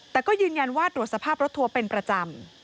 แต่ก็ยืนยันว่าตรวจสภาพรถทัวร์เป็นประจำ